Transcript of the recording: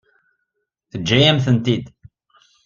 Teǧǧa-yam-tent-id.